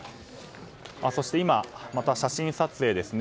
そして今、また写真撮影ですね。